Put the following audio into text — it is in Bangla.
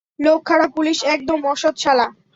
লোক খারাপ, পুলিশ একদম অসৎ সালা।